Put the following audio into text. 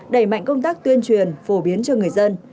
đẩy mạnh công tác tuyên truyền phổ biến cho người dân